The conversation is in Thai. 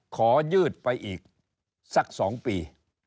ยืดไปอีกสัก๒ปี